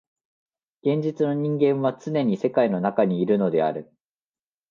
現実の人間はつねに世界の中にいるのである。